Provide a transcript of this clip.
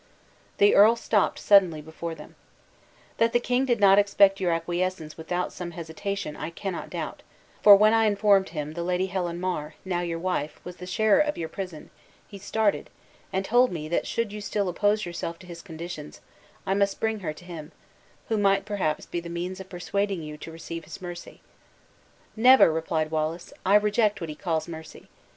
The earl stopped suddenly before them: "That the king did not expect your acquiescence without some hesitation, I cannot doubt, for when I informed him the Lady Helen Mar, now your wife, was the sharer of your prison, he started, and told me that should you still oppose yourself to his conditions, I must bring her to him; who might, perhaps, be the means of persuading you to receive his mercy." "Never!" replied Wallace; "I reject what he calls mercy.